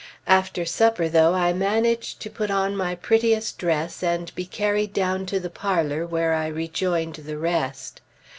After supper, though, I managed to put on my prettiest dress, and be carried down to the parlor where I rejoined the rest.